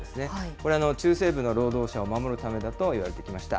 これ、中西部の労働者を守るためだといわれてきました。